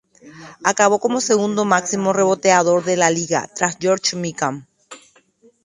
Acabó como segundo máximo reboteador de la liga, tras George Mikan.